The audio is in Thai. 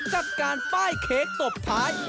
กับการป้ายเค้กตบท้าย